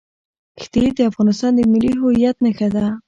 ښتې د افغانستان د ملي هویت نښه ده.